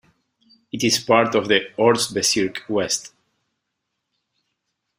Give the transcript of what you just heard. It is part of the "Ortsbezirk West".